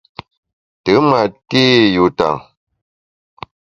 Te ma té yuta.